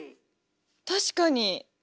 確かに。